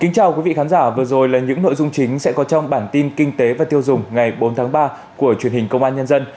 chào mừng quý vị đến với bản tin kinh tế và tiêu dùng ngày bốn tháng ba của truyền hình công an nhân dân